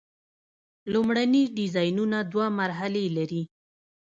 لومړني ډیزاینونه دوه مرحلې لري.